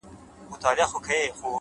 مهرباني د زړونو یخ له منځه وړي’